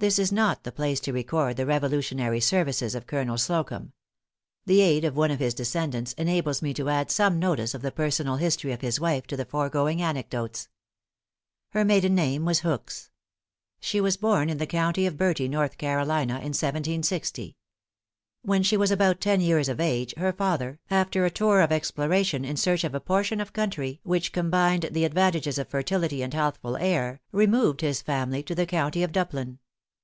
This is not the place to record the Revolutionary services of Colonel Slocumb. The aid of one of his descendants enables me to add some notice of the personal history of his wife to the foregoing anecdotes. Her maiden name was Hooks. She was born in the county of Bertie, North Carolina, in 1760. When she was about ten years of age, her father, after a tour of exploration in search of a portion of country which combined the advantages of fertility and healthful air, removed his family to the county of Duplin.